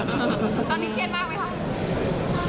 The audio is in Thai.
เซอร์ส์ตอนนี้เครียดมากไหมคะ